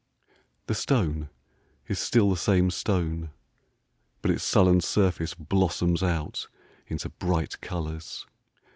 The stone is still the same stone ; but its sullen surface blossoms out into bright colours.